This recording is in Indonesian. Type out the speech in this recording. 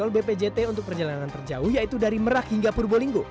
tol bpjt untuk perjalanan terjauh yaitu dari merak hingga purbolinggo